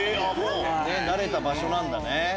慣れた場所なんだね。